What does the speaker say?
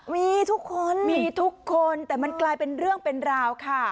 มีทุกคนมีทุกคนแต่มันกลายเป็นเรื่องเป็นราวค่ะ